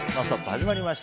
始まりました。